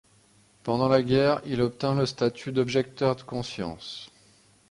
Pendant la guerre il obtint le statut d'objecteur de conscience.